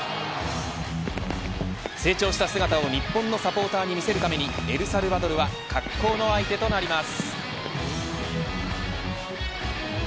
成長した姿を日本のサポーターに見せるためにエルサルバドルは格好の相手となります。